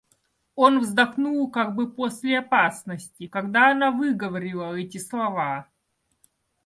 Он вздохнул как бы после опасности, когда она выговорила эти слова.